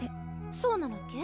そうなのけ？